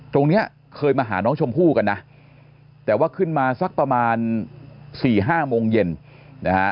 ตรงเนี้ยเคยมาหาน้องชมพู่กันนะแต่ว่าขึ้นมาสักประมาณสี่ห้าโมงเย็นนะฮะ